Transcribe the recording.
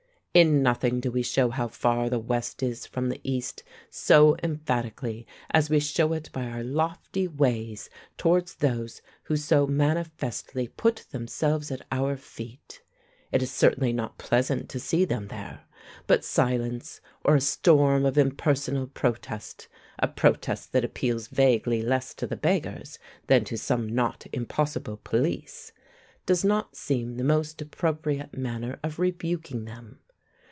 In nothing do we show how far the West is from the East so emphatically as we show it by our lofty ways towards those who so manifestly put themselves at our feet. It is certainly not pleasant to see them there; but silence or a storm of impersonal protest a protest that appeals vaguely less to the beggars than to some not impossible police does not seem the most appropriate manner of rebuking them.